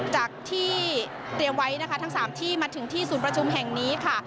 จากที่เตรียมไว้นะคะทั้ง๓ที่มาถึงที่ศูนย์ประชุมแห่งนี้ค่ะ